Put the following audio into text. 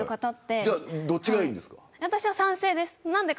私は賛成です。